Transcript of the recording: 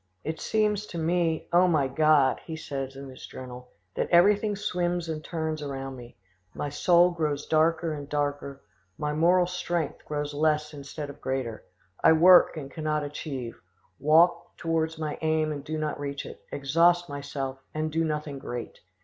"It seems to me, O my God!" he says in his journal, "that everything swims and turns around me. My soul grows darker and darker; my moral strength grows less instead of greater; I work and cannot achieve; walk towards my aim and do not reach it; exhaust myself, and do nothing great.